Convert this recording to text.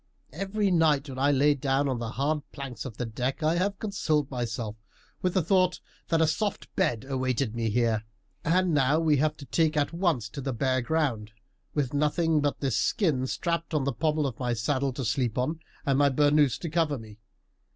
Every night when I lay down on the hard planks of the deck I have consoled myself with the thought that a soft bed awaited me here; and now we have to take at once to the bare ground, with nothing but this skin strapped on the pommel of my saddle to sleep on, and my bernous to cover me.